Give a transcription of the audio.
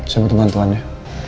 saya butuh bantuannya